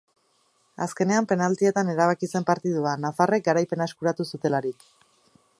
Azkenean penaltietan erabaki zen partidua, nafarrek garaipena eskuratu zutelarik.